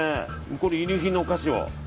輸入品のお菓子を。